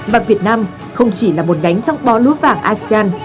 và việt nam không chỉ là một ngánh trong bó núi vàng asean